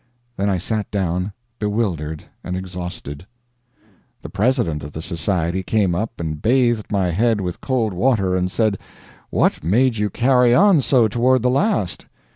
Then I sat down bewildered and exhausted. The president of the society came up and bathed my head with cold water, and said: "What made you carry on so toward the last?"